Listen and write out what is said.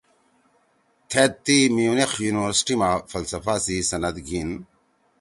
تھید تی میونخ یونیورسٹی ما فلسفہ سی سند گھیِن